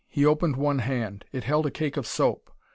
He opened one hand; it held a cake of soap.